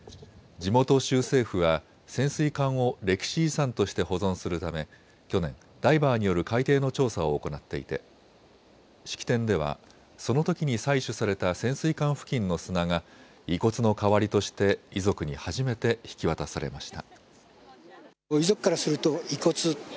地元州政府は潜水艦を歴史遺産として保存するため去年、ダイバーによる海底の調査を行っていて式典ではそのときに採取された潜水艦付近の砂が遺骨の代わりとして遺族に初めて引き渡されました。